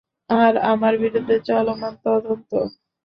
আর আমার বিরুদ্ধে চলমান তদন্ত?